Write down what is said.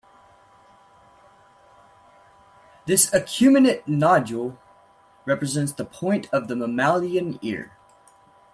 This acuminate nodule represents the point of the mammalian ear.